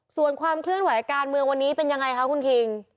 ส่วนความเคลื่อนไหวการเมืองวันนี้เป็นยังไงคะคุณคิง